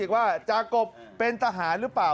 ว่าจากกบเป็นทหารหรือเปล่า